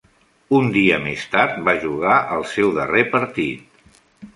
Un dia més tard, va jugar el seu darrer partit.